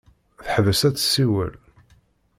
Teḥbes ad tessiwel.